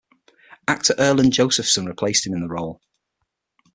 Actor Erland Josephson replaced him in the role.